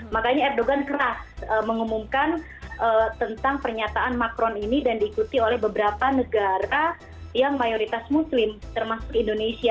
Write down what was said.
makanya erdogan keras mengumumkan tentang pernyataan macron ini dan diikuti oleh beberapa negara yang mayoritas muslim termasuk indonesia